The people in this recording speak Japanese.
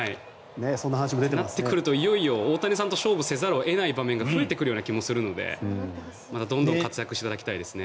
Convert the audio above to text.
そうなってくるといよいよ大谷さんと勝負せざるを得ない場面が増えてくる気もするのでどんどん活躍していただきたいですね。